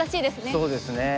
そうですね。